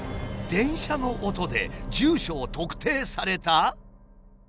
電車の音で住所を特定された？